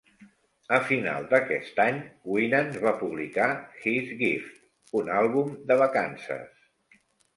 A finals d'aquest any, Winans va publicar "His Gift", un àlbum de vacances.